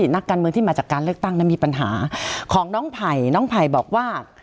นักการเมืองที่มาจากการเลือกตั้งนั้นมีปัญหาของน้องไผ่น้องไผ่บอกว่า